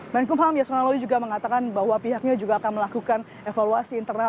menkumham yasona lawli juga mengatakan bahwa pihaknya juga akan melakukan evaluasi internal